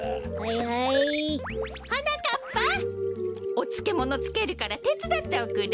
おつけものつけるからてつだっておくれ。